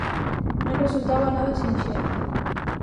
Non resultaba nada sinxelo.